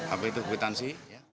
apa itu buktansi